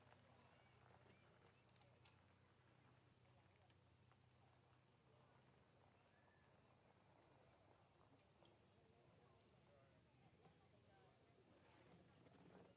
โปรดติดตามตอนต่อไป